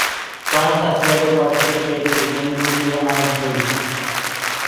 France has never participated in any nuclear arms race.